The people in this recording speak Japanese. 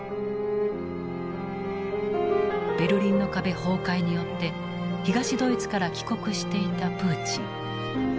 ベルリンの壁崩壊によって東ドイツから帰国していたプーチン。